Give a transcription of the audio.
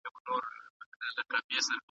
ايا انلاين زده کړه د سفر لګښت کموي؟